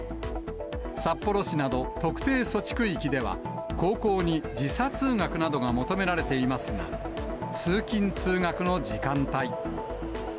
札幌市など特定措置区域では、高校に時差通学などが求められていますが、通勤・通学の時間帯。